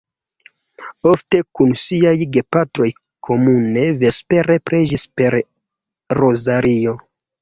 Ofte kun siaj gepatroj komune vespere preĝis per rozario.